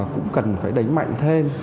cũng cần phải đẩy mạnh thêm